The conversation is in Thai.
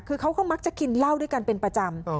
คือเขาก็มักจะกินเหล้าด้วยกันเป็นประจำ